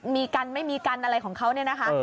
มีกันไม่มีกันอะไรของเขาเนี่ยนะคะ